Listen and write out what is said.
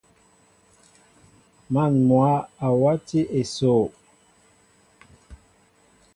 Man mwă a wati esoo.